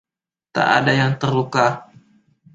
Tak ada yang terluka.